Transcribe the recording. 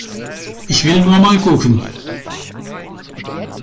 Ich will nur mal gucken!